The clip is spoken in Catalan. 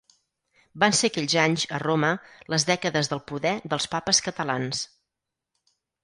Van ser aquells anys, a Roma, les dècades del poder dels papes catalans.